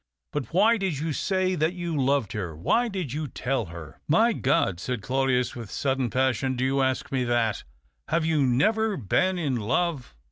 But why did you say that you loved her — why did you tell her ?" "My God!" said Claudius, with sudden passion. '' Do you ask me that ? Have you never been in love